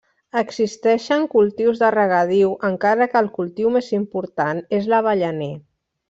Existeixen cultius de regadiu encara que el cultiu més important és l'avellaner.